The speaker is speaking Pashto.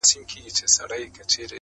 زه دا موضوع الله جل جلاله ته سپارم.